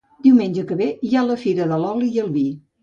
Diumenge que ve hi ha la fira de l'oli i el vi